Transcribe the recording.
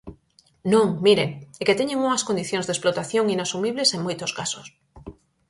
Non, miren, é que teñen unhas condicións de explotación inasumibles en moitos casos.